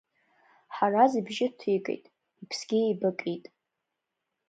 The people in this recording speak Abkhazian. Ҳараз ибжьы ҭигеит, иԥсгьы еибакит.